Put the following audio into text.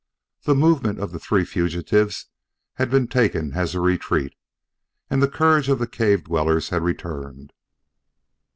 The movement of the three fugitives had been taken as a retreat, and the courage of the cave dwellers had returned.